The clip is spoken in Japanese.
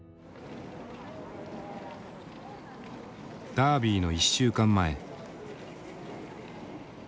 ダービーの１週間前。